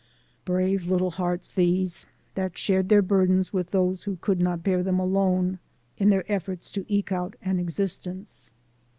Brave little hearts these, that shared the burdens with those who could not bear them alone, in their efforts to eke out an existence.